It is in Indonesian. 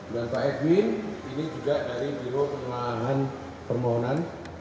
dan pak edwin ini juga dari biro pemelahanan permohonan